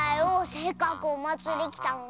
せっかくおまつりきたのに！